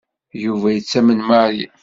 Yuba yettamen Mary.